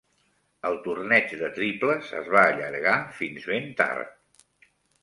El torneig de triples es va allargar fins ben tard.